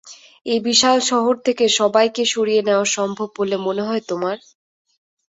এই বিশাল শহর থেকে সবাইকে সরিয়ে নেয়া সম্ভব বলে মনে হয় তোমার?